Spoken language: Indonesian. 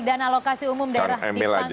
dana alokasi umum daerah di panglima